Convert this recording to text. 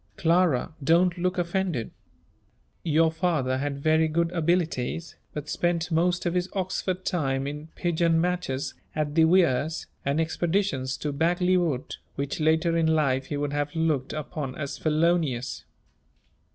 Clara, don't look offended. Your father had very good abilities, but spent most of his Oxford time in pigeon matches at the Weirs, and expeditions to Bagley wood, which later in life he would have looked upon as felonious.